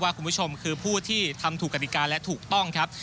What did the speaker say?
คุณผู้ชมคือผู้ที่ทำถูกกฎิกาและถูกต้องครับ